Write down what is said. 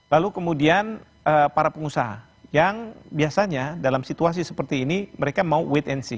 lalu kemudian para pengusaha yang biasanya dalam situasi seperti ini mereka mau wait and see